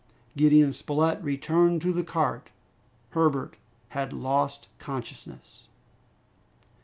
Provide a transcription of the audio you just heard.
Gideon Spilett returned to the cart. Herbert had lost consciousness!